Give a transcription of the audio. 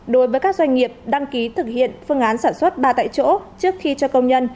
đối với các doanh nghiệp đăng ký thực hiện phương án sản xuất ba tại chỗ trước khi cho công nhân